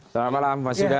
selamat malam mas suda